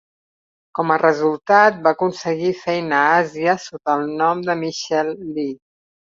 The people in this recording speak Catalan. Com a resultat, va aconseguir feina a Àsia sota el nom de "Michelle Lee".